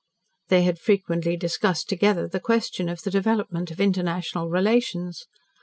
They had frequently discussed together the question of the development of international relations.